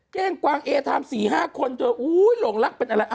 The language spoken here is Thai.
เก้งกวางเอไทม์๔๕คนเธออุ้ยหลงรักเป็นอะไร